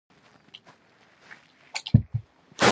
پابندی غرونه د افغانستان د تکنالوژۍ پرمختګ سره تړاو لري.